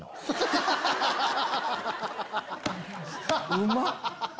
うまっ！